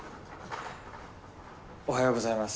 おはようございます。